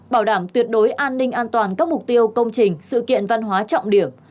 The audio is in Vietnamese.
bảo đảm tuyệt đối an ninh an toàn các mục tiêu công trình sự kiện văn hóa trọng điểm